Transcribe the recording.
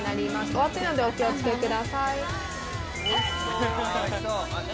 お熱いのでお気をつけください。